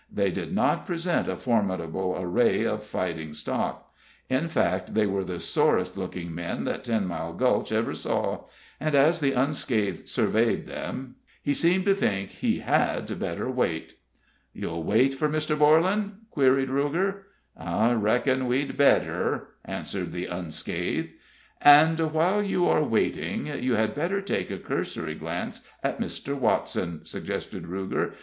They did not present a formidable array of fighting stock. In fact, they were the sorest looking men that Ten Mile Gulch ever saw; and as the unscathed surveyed them, he seemed to think he had better wait. [Illustration: "YOU HAD BETTER WAIT," SAID RUGER, ALSO PRODUCING A REVOLVER.] "You'll wait for Mr. Borlan?" queried Ruger. "I reckon we'd better," answered the unscathed. "And while you are waiting, you had better take a cursory glance at Mr. Watson," suggested Ruger.